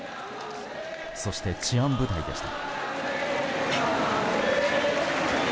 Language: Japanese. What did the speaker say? そして、治安部隊でした。